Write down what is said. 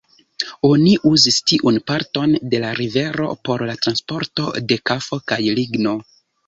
Oni uzis tiun parton de la rivero por la transporto de kafo kaj ligno.